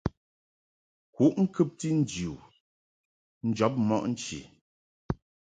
Kuʼ ŋkɨbti nji u njɔb mɔʼ nchi.